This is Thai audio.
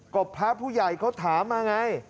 ก็พระผู้ใหญ่เขาถามมาไง